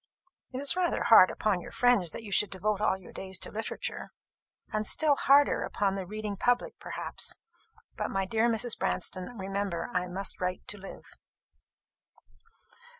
"It is rather hard upon your friends that you should devote all your days to literature." "And still harder upon the reading public, perhaps. But, my dear Mrs. Branston, remember, I must write to live."